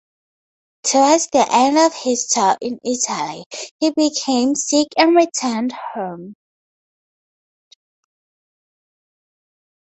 Towards the end of his tour in Italy he became sick and returned home.